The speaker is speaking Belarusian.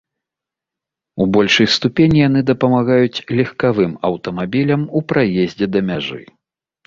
У большай ступені яны дапамагаюць легкавым аўтамабілям у праездзе да мяжы.